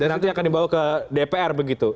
dan nanti akan dibawa ke dpr begitu